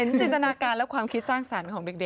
จินตนาการและความคิดสร้างสรรค์ของเด็ก